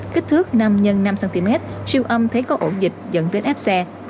kích thước năm x năm cm siêu âm thấy có ổ dịch dẫn đến ép xe